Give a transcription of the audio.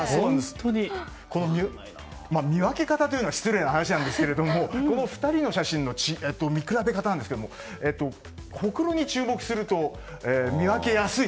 見分け方というのは失礼な話ですがこの２人の写真の見比べ方なんですがほくろに注目すると見分けやすい。